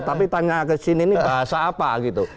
tapi tanya ke sini ini bahasa apa gitu